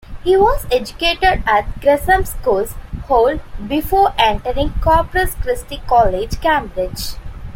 He was educated at Gresham's School, Holt, before entering Corpus Christi College, Cambridge.